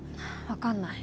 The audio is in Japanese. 分かんない。